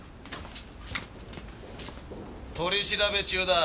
取り調べ中だ。